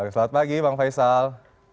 selamat pagi bang faisal